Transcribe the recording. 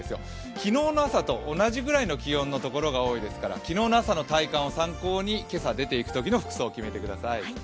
昨日の朝と同じぐらいの気温のところが多いですから昨日の朝の体感を参考に今朝、出ていくときの服装を決めてください。